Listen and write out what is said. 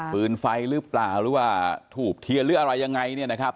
ปืนไฟหรือเปล่าหรือว่าถูกเทียนหรืออะไรยังไงเนี่ยนะครับ